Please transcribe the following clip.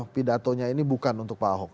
pidatonya ini bukan untuk pak ahok